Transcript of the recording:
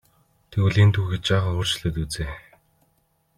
Тэгвэл энэ түүхийг жаахан өөрчлөөд үзье.